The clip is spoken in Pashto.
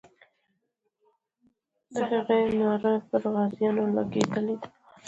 د هغې ناره پر غازیانو لګېدلې ده.